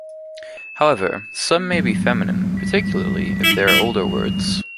However, some may be feminine, particularly if they are older words.